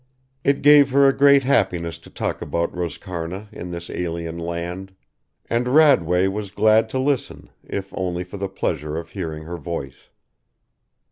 It gave her a great happiness to talk about Roscarna in this alien land. And Radway was glad to listen if only for the pleasure of hearing her voice.